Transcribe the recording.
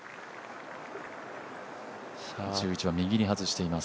１１番、右に外しています